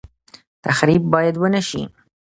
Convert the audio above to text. تخریب باید ونشي